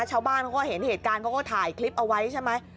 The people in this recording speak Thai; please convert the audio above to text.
ชาวบ้านเขาก็เห็นเหตุการณ์เขาก็ถ่ายคลิปเอาไว้ใช่ไหม